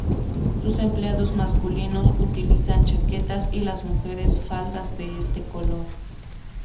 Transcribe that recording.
Sus empleados masculinos utilizan chaquetas y las mujeres faldas de este color.